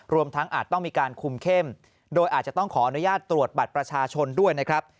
รวมทั้งอาจต้องมีการคุมเข้มโดยอาจจะต้องขออนุญาตตรวจบัตรประชาชนด้วยนะครับ